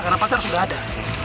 karena pasar sudah ada